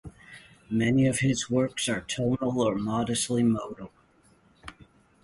Many of his works are tonal or modestly modal.